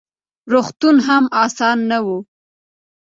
روغتون هم اسان نه و: